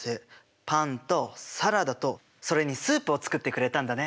パンとサラダとそれにスープを作ってくれたんだね。